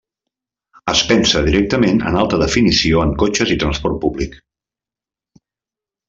Es pensa directament en alta definició en cotxes i transport públic.